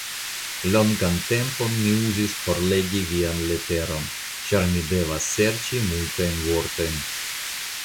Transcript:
Longan tempon mi uzis por legi vian leteron, ĉar mi devas serĉi multajn vortojn.